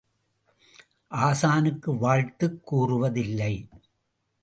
ஆசானுக்கு வாழ்த்துக் கூறுவதில்லை.